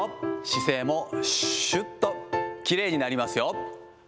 姿勢もしゅっときれいになりますよ。